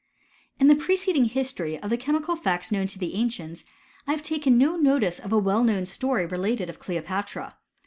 In the preceding history of the chemical facts known to the ancients, I have taken no notice of a well known story related of Cleopatra.